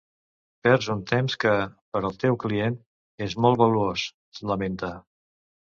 Perds un temps que, per al teu client, és molt valuós, lamenta.